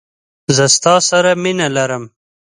زه ستا سره مينه لرم.